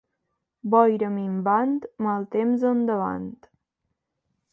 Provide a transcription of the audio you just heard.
Boira minvant, mal temps endavant.